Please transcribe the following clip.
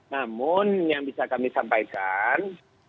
namun yang bisa kami sampaikan